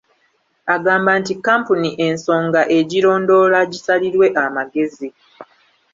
Agamba nti kkampuni ensonga egirondoola gisalirwe amagezi.